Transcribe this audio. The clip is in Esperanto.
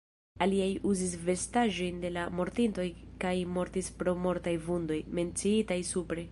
Aliaj uzis vestaĵojn de la mortintoj kaj mortis pro mortaj vundoj, menciitaj supre.